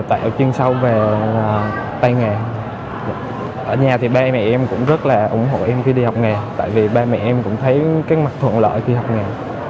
tại vì ba mẹ em cũng thấy cái mặt thuận lợi khi đi học nghề